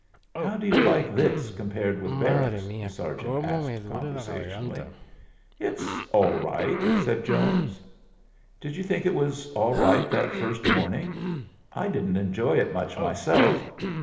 "How do you like this compared with barracks?" the sergeant asked, conversationally. "It's all right," said Jones. "Did you think it was all right that first morning? I didn't enjoy it much myself.